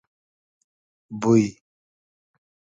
بوی